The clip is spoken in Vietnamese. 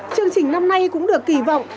chương trình năm nay cũng được kỳ vọng